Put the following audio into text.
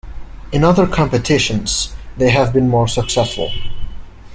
In other competitions they have been more successful.